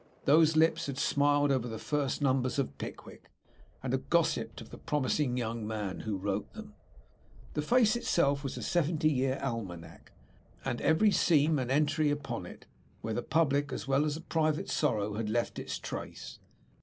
Those lips had smiled over the first numbers of "Pickwick," and had gossiped of the promising young man who wrote them. The face itself was a seventy year almanack, and every seam an entry upon it where public as well as private sorrow left its trace.